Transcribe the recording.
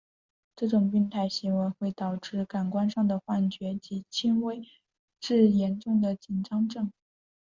这种病态行为会导致感官上的幻觉及轻微至严重的紧张症。